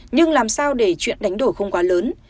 nhưng làm sao để chuyện đánh đổ không quá lớn